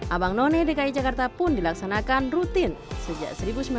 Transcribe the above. abang none dki jakarta pun dilaksanakan rutin sejak seribu sembilan ratus sembilan puluh